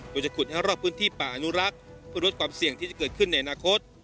โดยจะขุดให้รอบพื้นที่ป่าอนุรักษ์เพื่อลดความเสี่ยงที่จะเกิดขึ้นในอนาคต